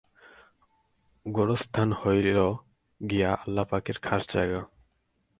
গোরস্থান হইল গিয়া আল্লাহ পাকের খাস জায়গা।